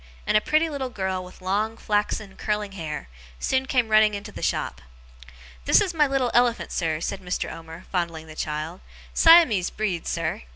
and a pretty little girl with long, flaxen, curling hair, soon came running into the shop. 'This is my little elephant, sir,' said Mr. Omer, fondling the child. 'Siamese breed, sir.